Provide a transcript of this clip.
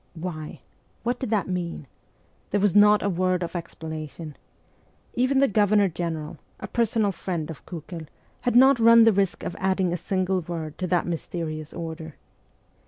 Why ? What did that mean ? There was not a word of explanation. Even the Governor General, a personal friend of Kiikel, had not run the risk of adding a single word to the mysterious order.